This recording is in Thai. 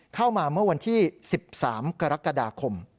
เข้ามาเมื่อวันที่๑๓กรกฎาคม